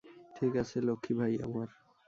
ঠিক আছে, লক্ষী ভাই আমার।